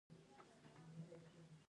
ایا ادرار مو کنټرولولی شئ؟